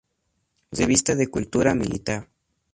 Revista de cultura militar".